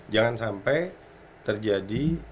jangan sampai terjadi